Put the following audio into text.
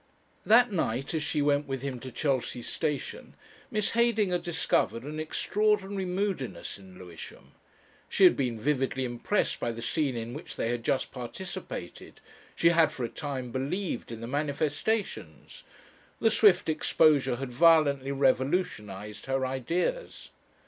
That night, as she went with him to Chelsea station, Miss Heydinger discovered an extraordinary moodiness in Lewisham. She had been vividly impressed by the scene in which they had just participated, she had for a time believed in the manifestations; the swift exposure had violently revolutionised her ideas.